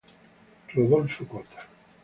Rodolfo Cota